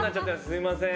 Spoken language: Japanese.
すみません。